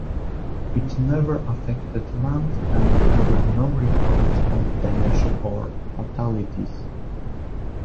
It never affected land, and there were no reports of damage or fatalities.